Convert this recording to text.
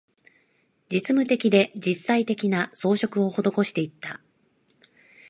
実務的で、実際的な、装飾を施していった